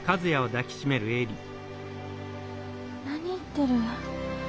何言ってる。